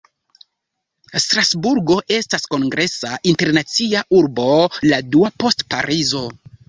Strasburgo estas kongresa internacia urbo, la dua post Parizo.